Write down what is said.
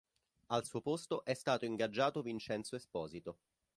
Al suo posto è stato ingaggiato Vincenzo Esposito.